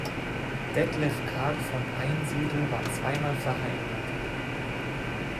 Detlev Carl von Einsiedel war zweimal verheiratet.